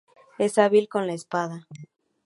Es hábil con la espada.